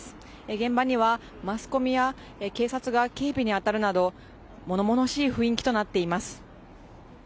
現場にはマスコミや警察が警備に当たるなど物々しい雰囲気となっています